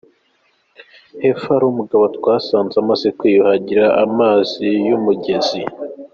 Hepfo hari umugabo twasanze amaze kwiyuhagira amazi y’uyu mugezi.